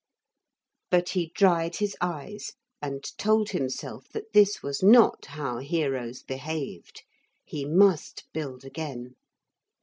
But he dried his eyes and told himself that this was not how heroes behaved. He must build again.